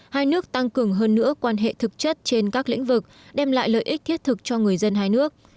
hai nước tăng cường hơn nữa quan hệ thực chất trên các lĩnh vực đem lại lợi ích thiết thực cho người dân hai nước